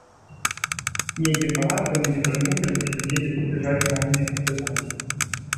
Нейкім парадкам яны пранюхалі, што недзе тут ляжаць раненыя партызаны.